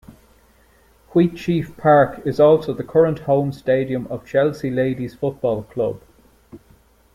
Wheatsheaf Park is also the current home stadium of Chelsea Ladies Football Club.